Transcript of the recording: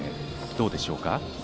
どうでしょうか？